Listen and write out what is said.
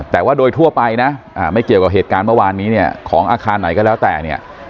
แต่ว่าโดยทั่วไปนะไม่เกี่ยวกับเหตุการณ์เมื่อวานนี้เนี่ยของอาคารไหนก็แล้วแต่เนี่ย